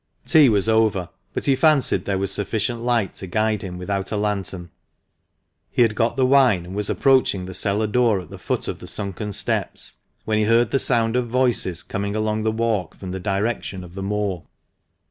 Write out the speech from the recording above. Tea was over, but he fancied there was sufficient light to guide him without a lantern. He had got the wine, and was approaching the cellar door at the foot of the sunken steps when he heard the sound of voices coming along the walk from the direction of the moor.